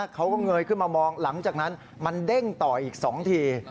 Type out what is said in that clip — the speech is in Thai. เงยขึ้นมามองหลังจากนั้นมันเด้งต่ออีก๒ที